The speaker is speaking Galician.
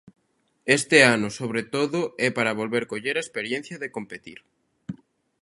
Este ano, sobre todo, é para volver coller a experiencia de competir.